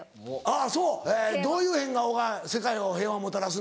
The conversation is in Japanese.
あっそうどういう変顔が世界を平和をもたらすの？